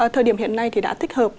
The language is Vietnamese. thời điểm hiện nay đã thích hợp